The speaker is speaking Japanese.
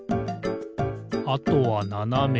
あとはななめだね。